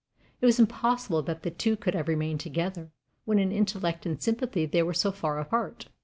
It was impossible that the two could have remained together, when in intellect and sympathy they were so far apart.